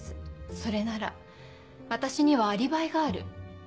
それなら私にはアリバイがある。